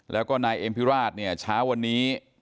แล้วก็นายเอ็มพิราชเนี่ยเช้าวันนี้